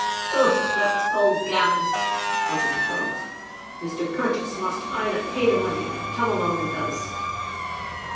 "Oh! that's all gammon," muttered Proggs. "Mr. Curtis must either pay the money or come along with us."